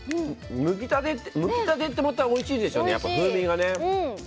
むきたてっておいしいですよね、風味がね。